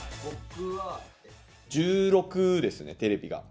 １６ですね、テレビが。